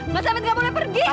mas amit gak boleh pergi